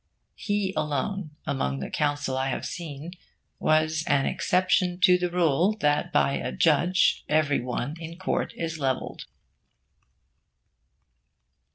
He alone, among the counsel I have seen, was an exception to the rule that by a judge every one in court is levelled.